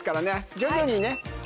徐々にね。